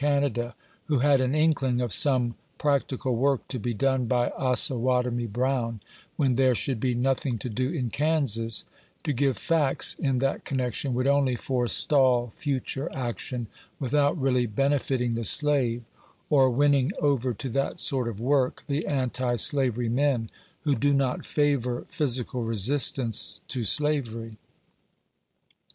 Canada who had an inkling of some "prac? tical work" to be done by "Osawattoinie Brqwq," when there should be nothing to do in Kansas, — tp give facts in, that connection, would only forestall future action, without really benefitting the slave, or winning oyer to that sort of work the anti slavery men who do not favor physical resistance to sla very.